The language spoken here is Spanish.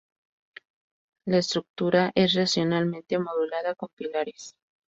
La estructura es racionalmente modulada con pilares.